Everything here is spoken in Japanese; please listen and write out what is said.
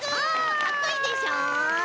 かっこいいでしょ。